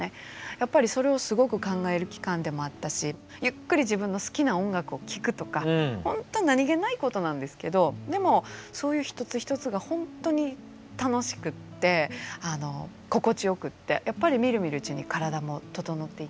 やっぱりそれをすごく考える期間でもあったしゆっくり自分の好きな音楽を聴くとかほんと何気ないことなんですけどでもそういう一つ一つが本当に楽しくて心地よくてやっぱりみるみるうちに体も整っていったし。